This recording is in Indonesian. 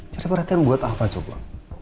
cari perhatian buat apa coba